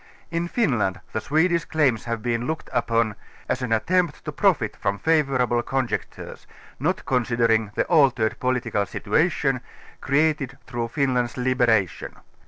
In Finland the Swedish claims have been looked upon as an attempt to profit from favourable conjunctures, not con sidering the altered political situation, created through Fin land's liberation.